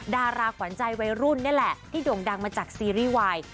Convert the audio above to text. ดาราขวัญใจวัยรุ่นนี่แหละที่โด่งดังมาจากซีรีส์วาย